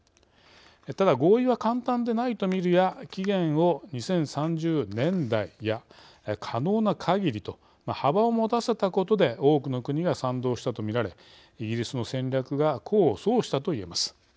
ただ、合意は簡単でないとみるや期限を２０３０年代や可能なかぎりと幅を持たせたことで多くの国が賛同したとみられイギリスの戦略が功を奏したといえます。